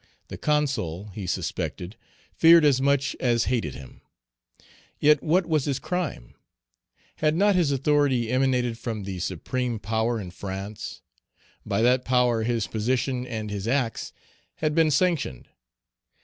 The Consul, he suspected, feared as much as hated him. Yet what was his crime? Had not his authority emanated from the supreme power in France? By that power his position and his acts had been sanctioned.